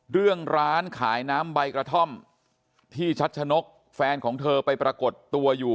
เรื่องร้านขายน้ำใบกระท่อมที่ชัดชะนกแฟนของเธอไปปรากฏตัวอยู่